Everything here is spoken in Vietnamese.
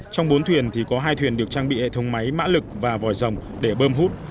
trong bốn thuyền thì có hai thuyền được trang bị hệ thống máy mã lực và vòi rồng để bơm hút